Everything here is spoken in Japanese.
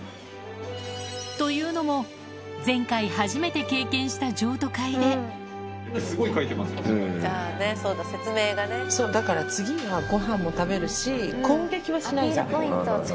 というのも前回初めて経験した譲渡会でそうだからご飯も食べるし攻撃はしないじゃん。